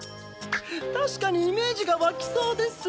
たしかにイメージがわきそうです。